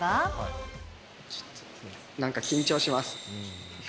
なんか緊張します。